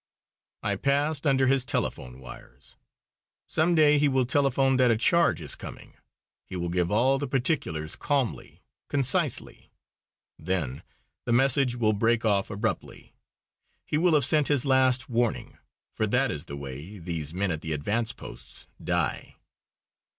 I passed under his telephone wires. Some day he will telephone that a charge is coming. He will give all the particulars calmly, concisely. Then the message will break off abruptly. He will have sent his last warning. For that is the way these men at the advance posts die.